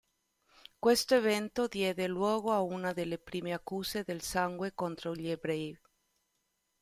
Questo evento diede luogo a una delle prime accuse del sangue contro gli ebrei.